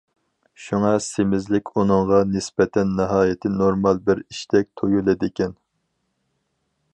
شۇڭا سېمىزلىك ئۇنىڭغا نىسبەتەن ناھايىتى نورمال بىر ئىشتەك تۇيۇلىدىكەن.